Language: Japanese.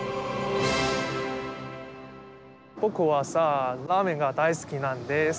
僕はさラーメンが大好きなんです。